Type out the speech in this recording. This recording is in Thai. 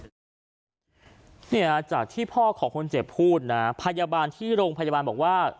คือเนี่ยจากที่พ่อของคนเจ็บพูดนะพยาบาลที่โรงพยาบาลบอกว่า